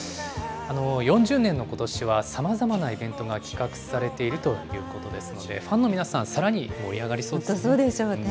４０年のことしは、さまざまなイベントが企画されているということですので、ファンの皆さん、さらに盛り上がりそうでしょうね。